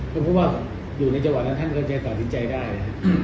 ก็เพราะว่าอยู่ในจังหวะนั้นท่านก็จะตัดสินใจได้